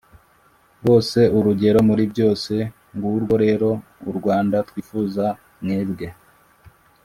bose urugero muri byose. ngurwo rero u rwanda twifuza, mwebwe